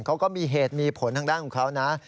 เขาก็มีเหตุมีผลทางด้านของเขานะ